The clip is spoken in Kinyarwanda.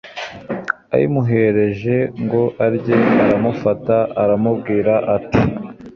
ayimuhereje ngo arye aramufata aramubwira ati